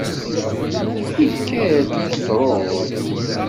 Ikad-d truḍ.